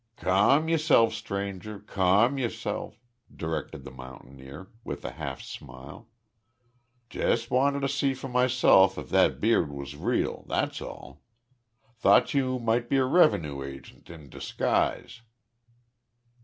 "Ca'm yo'self, stranger, ca'm yo'self," directed the mountaineer, with a half smile. "Jes' wanted to see for myself ef that beard was real, that's all. Thought you might be a rev'nue agent in disguise."